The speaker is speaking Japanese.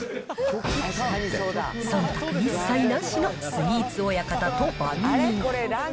そんたく一切なしのスイーツ親方と番人。